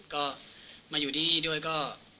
ก็มาอยู่ที่นี่ด้วยก็